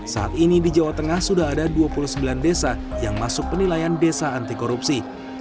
saat ini di jawa tengah sudah ada dua puluh sembilan desa yang masuk penilaian desa anti korupsi